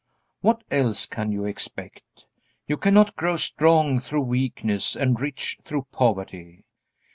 What else can you expect? You cannot grow strong through weakness and rich through poverty.